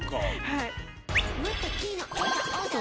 はい。